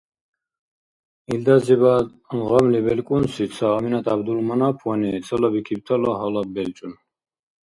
Илдазибад гъамли белкӏунси ца Аминат Гӏябдулманаповани цалабикибтала гьалаб белчӏун.